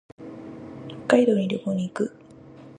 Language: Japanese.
北海道に旅行に行く。